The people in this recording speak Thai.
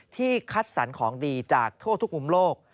คัดสรรของดีจากทั่วทุกมุมโลก